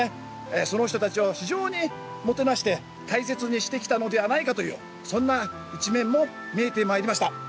その人たちを非常にもてなして大切にしてきたのではないかというそんな一面も見えてまいりました。